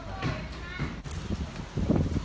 สวัสดีครับคุณผู้ชาย